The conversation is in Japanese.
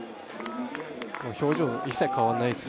表情一切変わんないです